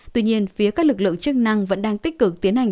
tuy nhiên phía các lực lượng chức năng vẫn đang tích cực tiến hành